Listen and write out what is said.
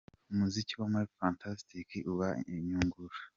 Umuziki wo muri Fantastic uba uyunguruye.